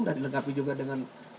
dan dilengkapi juga dengan